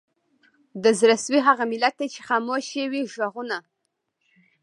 د زړه سوي هغه ملت دی چي خاموش یې وي ږغونه